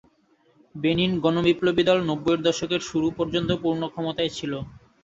Benin গণ বিপ্লবী দল নব্বইয়ের দশকের শুরু পর্যন্ত পূর্ণ ক্ষমতায় ছিল।